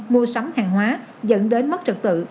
mua sắm hàng hóa dẫn đến mất trật tự